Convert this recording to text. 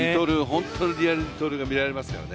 本当にリアル二刀流がみられますからね